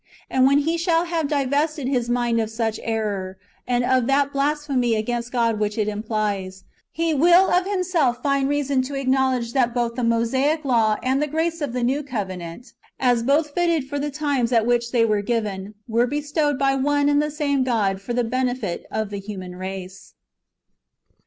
And when he shall have divested his mind of such error, and of that blasphemy against God which it implies, he will of himself find reason to acknowledge that both the Mosaic law and the grace of the new covenant, as both fitted for the times [at which they were given], were bestowed by one and the same God for the benefit of the human race.